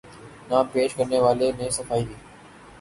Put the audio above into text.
نام پیش کرنے والے نے صفائی دی